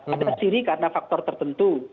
ada ciri karena faktor tertentu